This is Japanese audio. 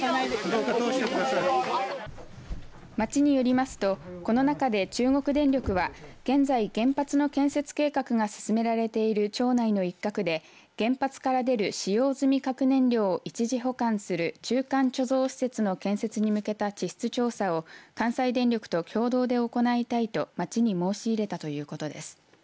町によりますとこの中で中国電力は現在、原発の建設計画が進められている町内の一角で原発から出る使用済み核燃料を一時保管する中間貯蔵施設の建設に向けた地質調査を関西電力と共同で行いたいと町に申し入れたということです。